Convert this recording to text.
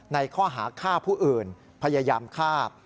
ในข้อหาฆ่าผู้อื่นพยายามฆ่า